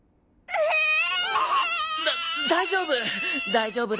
だ大丈夫！